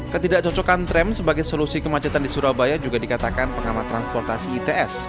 ketidakcocokan tram sebagai solusi kemacetan di surabaya juga dikatakan pengamat transportasi its